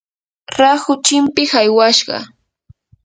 rahu chimpiq aywashqa.